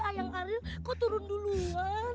ayang ariel kok turun duluan